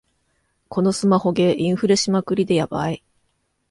このスマホゲー、インフレしまくりでヤバい